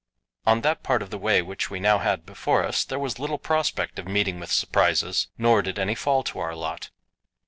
On that part of the way which we now had before us there was little prospect of meeting with surprises; nor did any fall to our lot.